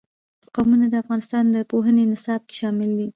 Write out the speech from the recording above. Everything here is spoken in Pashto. قومونه د افغانستان د پوهنې نصاب کې شامل دي.